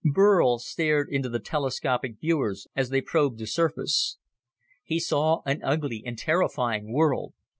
Burl stared into the telescopic viewers as they probed the surface. He saw an ugly and terrifying world.